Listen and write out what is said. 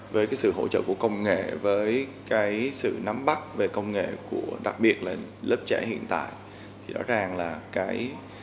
với cái sự hỗ trợ của công nghệ với cái sự nắm bắt về công nghệ của đặc biệt là lớp trẻ hiện tại thì rõ ràng là cái